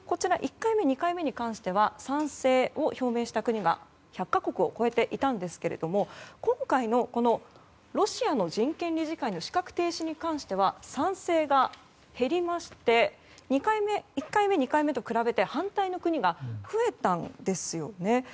１回目と２回目に関しては賛成を表明した国が１００か国を超えていたんですけれども今回のロシアの人権理事会の資格停止に関しては賛成が減りまして１回目、２回目と比べて反対の国が増えたんですよね。